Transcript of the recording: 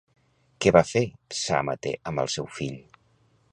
Què va fer Psàmate amb el seu fill?